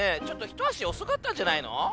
ちょっとひとあしおそかったんじゃないの？